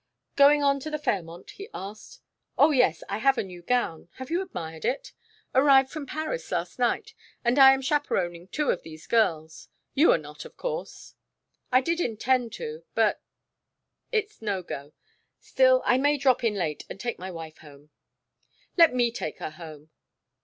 "Going on to the Fairmont?" he asked. "Oh, yes, I have a new gown have you admired it? Arrived from Paris last night and I am chaperoning two of these girls. You are not, of course?" "I did intend to, but it's no go. Still, I may drop in late and take my wife home " "Let me take her home."